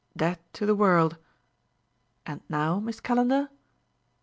"Dead to the world ... And now, Miss Calendar?"